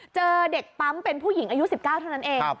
เจอเด็กปั๊มเป็นผู้หญิงอายุ๑๙เท่านั้นเอง